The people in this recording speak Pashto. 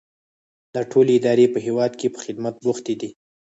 دا ټولې ادارې په هیواد کې په خدمت بوختې دي.